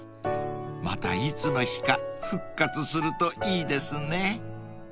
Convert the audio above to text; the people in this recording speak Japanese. ［またいつの日か復活するといいですね］